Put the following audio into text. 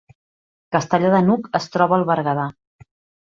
Castellar de n’Hug es troba al Berguedà